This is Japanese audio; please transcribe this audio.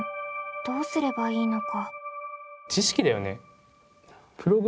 どうすればいいのか。